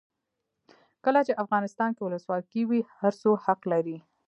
کله چې افغانستان کې ولسواکي وي هر څوک حق لري.